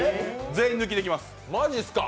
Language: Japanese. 全員抜きでいきます！